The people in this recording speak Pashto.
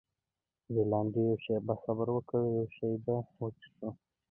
رینالډي: یوه شیبه صبر وکړه، یو شی به وڅښو.